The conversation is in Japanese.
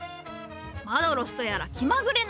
マドロスとやら気まぐれな。